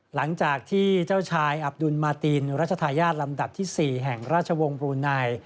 หลังจากที่เจ้าชายอับดุลมาตินรัชทายาทลำดับที่๔แห่งราชวงศ์บลูไน